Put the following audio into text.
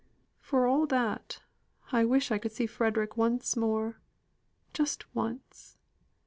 "For all that, I wish I could see Frederick once more just once.